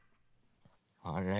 あれ？